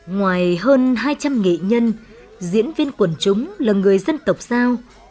ngoài hơn hai trăm linh nghệ nhân diễn viên quần chúng là người dân tộc giao